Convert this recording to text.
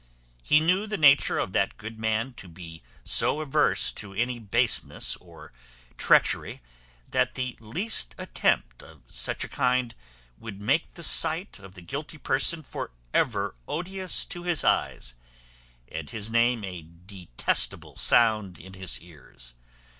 He knew the nature of that good man to be so averse to any baseness or treachery, that the least attempt of such a kind would make the sight of the guilty person for ever odious to his eyes, and his name a detestable sound in his ears.